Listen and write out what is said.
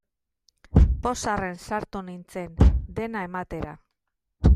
Pozarren sartu nintzen, dena ematera.